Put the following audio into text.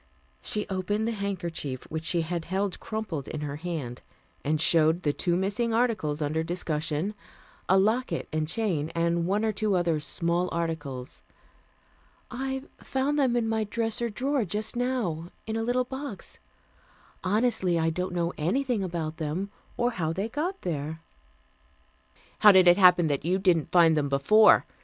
She opened the handkerchief which she had held crumpled in her hand, and showed the two missing articles under discussion, a locket and chain and one or two other small articles. "I found them in my dresser drawer just now, in a little box. Honestly, I don't know anything about them, or how they got there." "How did it happen that you didn't find them before?"